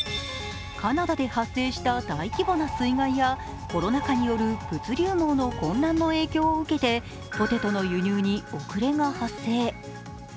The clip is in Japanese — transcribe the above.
カナダで発生した大規模な水害やコロナ禍による物流網の混乱の影響を受けてポテトの輸入に遅れが発生。